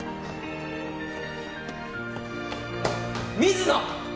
水野！